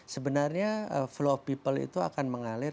sebenarnya flow people itu akan mengalir